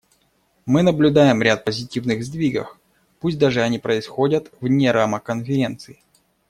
Мы наблюдаем ряд позитивных сдвигов, пусть даже они происходят вне рамок Конференции.